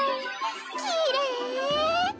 きれい！